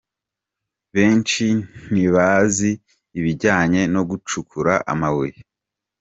Benshi ntibazi ibijyanye no gucukura amabuye….